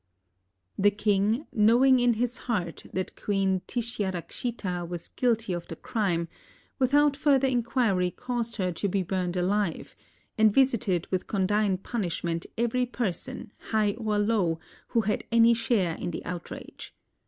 The king, kno ^ing in his heart that Queen Tishya rakshita was guilty of the crime, without fiirther inquiry caused her to be burnt alive, and xisited with condign punishment ever}' person, high or low, who had any share in the outrage.